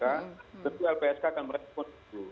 tentu lpsk akan merespon itu